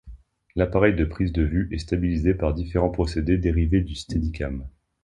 L'appareil de prise de vue est stabilisé par différents procédés dérivés du Steadicam.